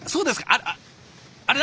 あっあれだ！